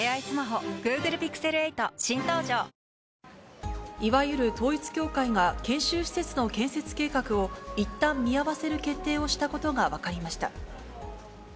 え．．．いわゆる統一教会が研修施設の建設計画を、いったん見合わせる決定をしたことが分かりました。